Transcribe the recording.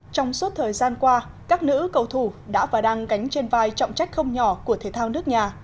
trong suốt thời gian qua các nữ cầu thủ đã và đang gánh trên vai trọng trách không nhỏ của thể thao nước nhà